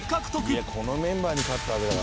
いやこのメンバーに勝ったわけだからね。